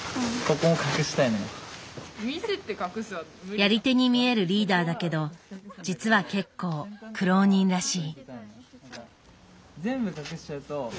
やり手に見えるリーダーだけど実は結構苦労人らしい。